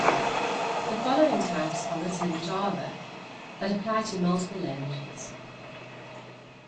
The following types are written in Java, but apply to multiple languages.